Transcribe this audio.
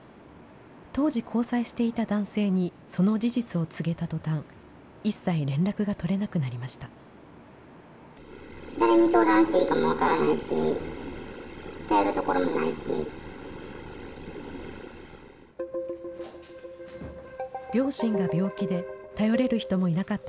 当時交際していた男性にその事実を告げたとたん、一切連絡が取れなくなりました。